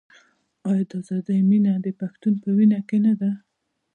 آیا د ازادۍ مینه د پښتون په وینه کې نه ده؟